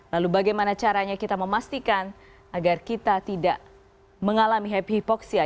lalu bagaimana caranya kita memastikan agar kita tidak mengalami happy hypoxia